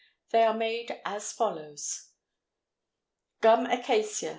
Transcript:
They are made as follows: Gum acacia 1½ oz.